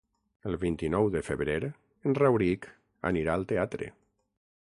El vint-i-nou de febrer en Rauric anirà al teatre.